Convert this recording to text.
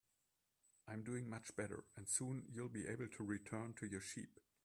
I'm doing much better, and soon you'll be able to return to your sheep.